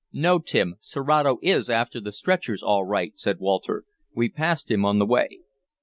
"No, Tim. Serato is after the stretchers all right," said Walter. "We passed him on the way."